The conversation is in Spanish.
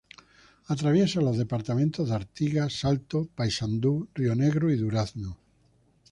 Atraviesa los departamentos de Artigas, Salto, Paysandú, Río Negro y Durazno.